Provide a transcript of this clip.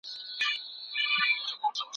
ابن خلدون د تاريخ په فلسفه پوهيده.